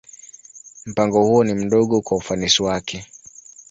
Mpango huo ni mdogo kwa ufanisi wake.